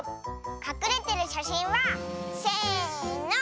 かくれてるしゃしんはせの。